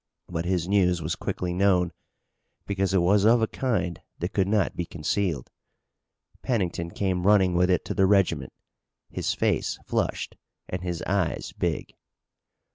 But his news was quickly known, because it was of a kind that could not be concealed. Pennington came running with it to the regiment, his face flushed and his eyes big.